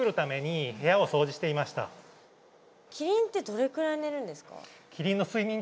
キリンってどれくらい寝るんですか？